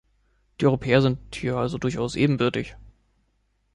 Die Europäer sind hier also durchaus ebenbürtig.